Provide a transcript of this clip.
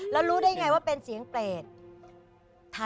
แล้วรู้ได้ไงว่าเป็นเสียงเปรต